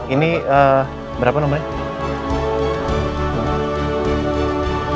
ini berapa nomernya